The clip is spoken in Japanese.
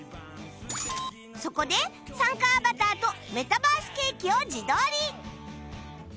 そこで参加アバターとメタバースケーキを自撮り